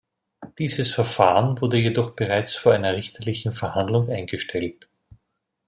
Dieses Verfahren wurde jedoch bereits vor einer richterlichen Verhandlung eingestellt.